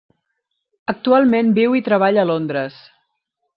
Actualment viu i treballa a Londres.